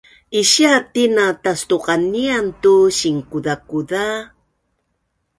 Isia tina tastuqanian tu sinkuzakuza